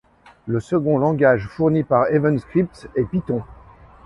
Le second langage fourni par EventScripts est Python.